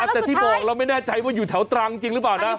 แต่ที่บอกเราไม่แน่ใจว่าอยู่แถวตรังจริงหรือเปล่านะ